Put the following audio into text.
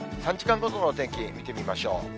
３時間ごとの天気、見てみましょう。